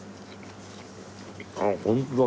あっホントだ。